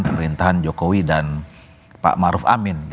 pemerintahan jokowi dan pak maruf amin